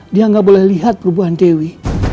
dia nggak boleh lihat perubahan dewi